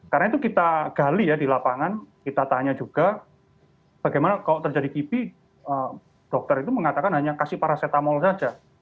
karena itu kita gali ya di lapangan kita tanya juga bagaimana kalau terjadi kibik dokter itu mengatakan hanya kasih paracetamol saja